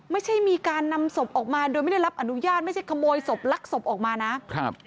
ไม่ใช่มีการนำศพออกมาโดยไม่ได้รับอนุญาตไม่ใช่ขโมยศพลักศพออกมานะครับ